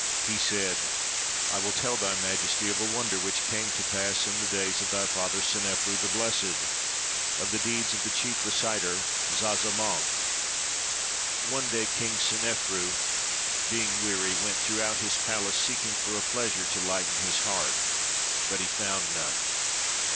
He said, "1 will tell Thy Majesty of a wonder which came to pass in the days of thy father Senefeni, the blessed, of the deeds of the chief reciter Zazamankh. One day King Senefeni, being weary, went throughout his palace seeking for a pleasure to lighten his heart, but he found none.